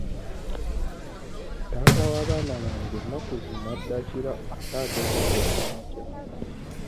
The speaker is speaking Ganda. Taata w'abaana bange ennaku zino adda kiro ate agenda tebunnakya.